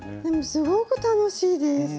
でもすごく楽しいです。